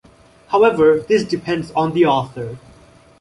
However, this depends on the author.